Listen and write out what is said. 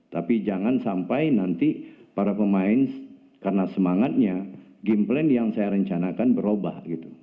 tapi jangan sampai nanti para pemain karena semangatnya game plan yang saya rencanakan berubah gitu